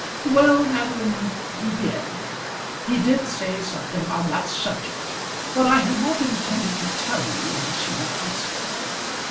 "Well, Madeline; he did. He did say something on that subject; but I had not intended to tell you unless you had asked."